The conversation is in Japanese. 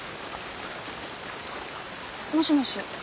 もしもし。